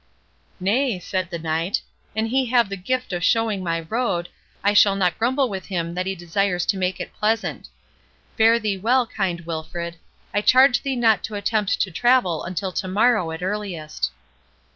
"Nay," said the Knight, "an he have the gift of showing my road, I shall not grumble with him that he desires to make it pleasant.—Fare thee well, kind Wilfred—I charge thee not to attempt to travel till to morrow at earliest."